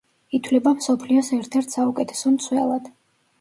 ითვლება მსოფლიოს ერთ-ერთ საუკეთესო მცველად.